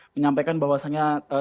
menyampaikan bahwasannya tadi